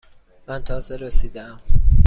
من تازه رسیده ام.